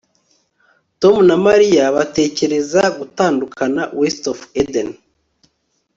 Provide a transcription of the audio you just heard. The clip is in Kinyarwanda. Tom na Mariya batekereza gutandukana WestofEden